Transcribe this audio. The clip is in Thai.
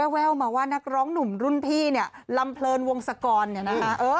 แววมาว่านักร้องหนุ่มรุ่นพี่ลำเพลินวงสกรนะคะ